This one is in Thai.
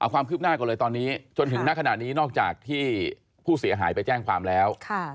ความคืบหน้าก่อนเลยตอนนี้จนถึงณขณะนี้นอกจากที่ผู้เสียหายไปแจ้งความแล้ว